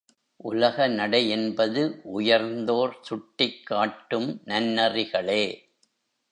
உலகநடை என்பது உயர்ந்தோர் சுட்டிக்காட்டும் நன்னெறிகளே.